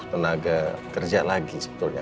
tenaga kerja lagi sebetulnya